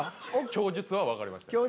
供述はわかりました。